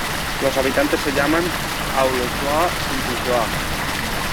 Los habitantes se llaman "Aulosois-Sinsatois".